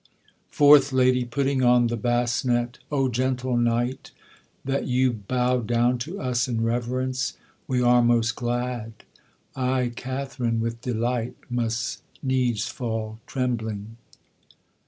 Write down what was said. FOURTH LADY, putting on the basnet. O gentle knight, That you bow down to us in reverence, We are most glad, I, Katherine, with delight Must needs fall trembling.